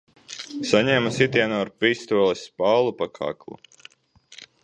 Saņemu sitienu ar pistoles spalu pa kaklu.